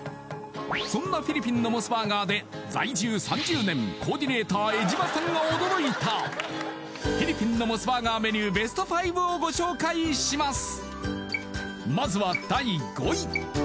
そんなフィリピンのモスバーガーで在住３０年コーディネーター江島さんが驚いたフィリピンのモスバーガーメニューＢＥＳＴ５をご紹介します